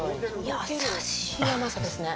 優しい甘さですね。